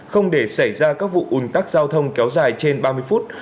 không để xảy ra các vụ ủn tắc giao thông kéo dài trên ba mươi phút